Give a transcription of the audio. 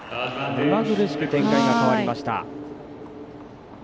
目まぐるしく展開が変わりました。